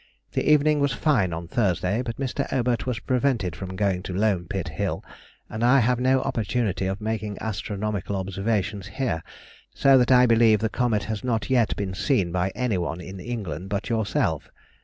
The evening was fine on Thursday, but Mr. Aubert was prevented from going to Loam Pit Hill, and I have no opportunity of making astronomical observations here, so that I believe the comet has not yet been seen by anyone in England but yourself.